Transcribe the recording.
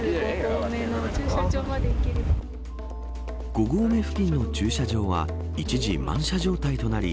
５合目付近の駐車場は一時満車状態となり